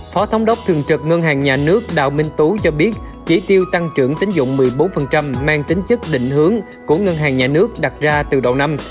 phó thống đốc thường trực ngân hàng nhà nước đào minh tú cho biết chỉ tiêu tăng trưởng tính dụng một mươi bốn mang tính chất định hướng của ngân hàng nhà nước đặt ra từ đầu năm